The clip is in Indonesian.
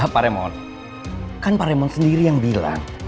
pak remon kan pak remon sendiri yang bilang